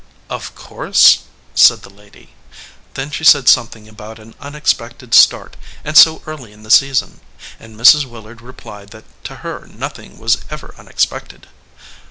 "Of course," said the lady. Then she said some thing about an unexpected start, and so early in the season, and Mrs. Willard replied that to her nothing was ever unexpected.